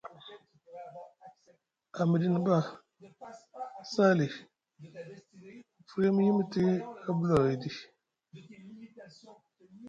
A miɗini boo Sali mu firya mu yimiti abulohoy ɗi.